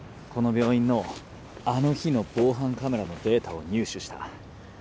この病院のあの日の防犯カメラのデータを入手した。